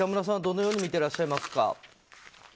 どのように見ていらっしゃいますか？